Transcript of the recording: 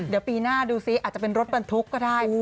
เดี๋ยวปีหน้าดูซิอาจจะเป็นรถบรรทุกก็ได้